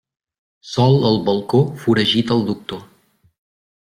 Sol al balcó, foragita al doctor.